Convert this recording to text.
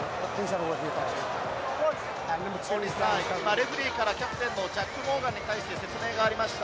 レフェリーからキャプテンのジャック・モーガンに対して説明がありました。